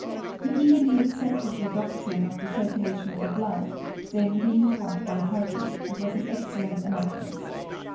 He eagerly accepted the doctrine of the circulation of the blood, then being taught by Harvey, and was an excellent anatomist.